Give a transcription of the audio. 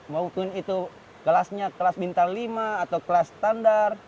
maupun itu kelasnya kelas bintang lima atau kelas standar